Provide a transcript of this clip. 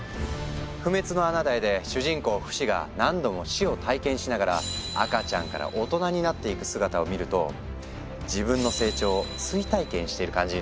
「不滅のあなたへ」で主人公フシが何度も「死」を体験しながら赤ちゃんから大人になっていく姿を見ると自分の成長を追体験している感じになっちゃうの。